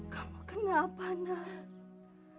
kamu kenapa nal